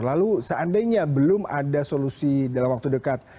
lalu seandainya belum ada solusi dalam waktu dekat